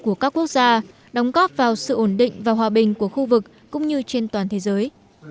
của các quốc gia đóng góp vào sự ổn định và hòa bình của khu vực cũng như trên toàn thế giới